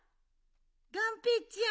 がんぺーちゃん？